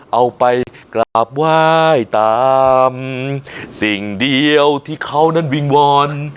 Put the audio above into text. เอาไปกราบไหว้ตามสิ่งเดียวที่เขานั้นวิงวอน